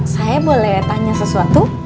saya boleh tanya sesuatu